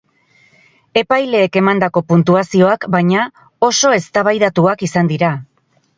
Epaileek emandako puntuazioak, baina, oso eztabaidatuak izan dira.